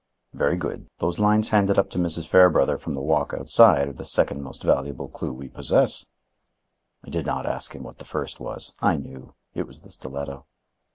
"Very good. Those lines handed up to Mrs. Fairbrother from the walk outside are the second most valuable clue we possess." I did not ask him what the first was. I knew. It was the stiletto.